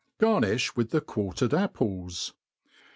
Qarnifb with the quarteied apples.